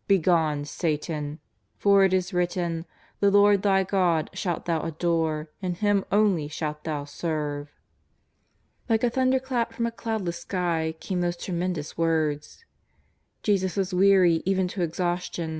" Begone, Satan ! for it is written : The Lord thy God shalt thou adore and Him only shalt thou serve." Like a thunderclap from a cloudless sky came those tremendous words. Jesus was weary even to exhaus tion.